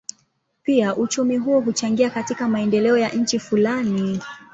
Pia uchumi huo huchangia katika maendeleo ya nchi fulani.